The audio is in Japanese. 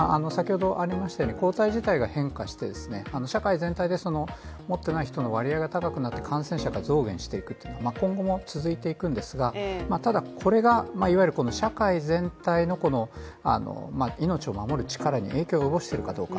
抗体自体が変化して、社会全体で持っていない人の割合が高くなって感染者が増減していくというのは今後も続いていくんですがただ、これがいわゆる社会全体の命を守る力に影響を及ぼしているかどうか。